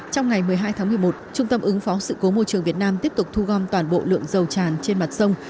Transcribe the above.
trong ngày một mươi hai tháng một mươi một trung tâm ứng phó sự cố môi trường việt nam tiếp tục thu gom toàn bộ lượng dầu tràn trên mặt sông